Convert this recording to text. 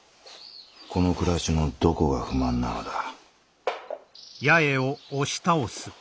この暮らしのどこが不満なのだ？